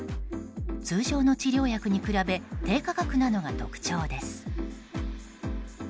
通常の治療薬に比べ低価格なのが特徴です。